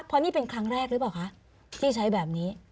เพราะนี่เป็นครั้งแรกหรือเปล่าคะที่ใช้แบบนี้